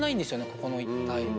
ここの一帯。